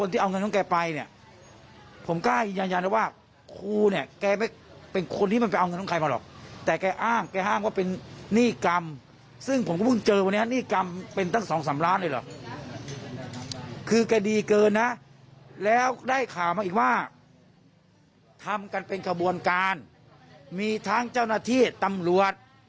ทำของการเป็นขบวนการมีทั้งเจ้าหน้าที่ตำรวจ